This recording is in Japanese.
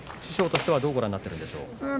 師匠としては、どうご覧になっているんでしょうか。